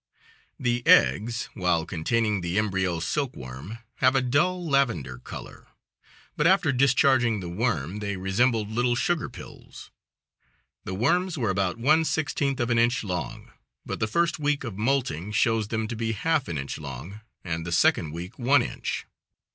The eggs, while containing the embryo silk worm, have a dull lavender color, but after discharging the worm they resembled little sugar pills. The worms were about one sixteenth of an inch long, but the first week of moulting shows them to be half an inch long and the second week one inch.